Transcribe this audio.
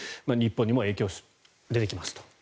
日本にも影響出てきますと。